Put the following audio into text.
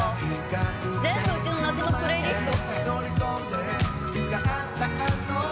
全部うちの夏のプレイリスト。